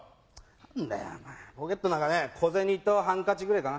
何だよお前ポケットの中ね小銭とハンカチぐれぇかな。